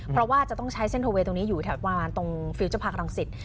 เพราะว่าจะต้องใช้เส้นโทเวย์ตรงนี้อยู่แถวประมาณตรงฟิลเจอร์พาร์ครังสิต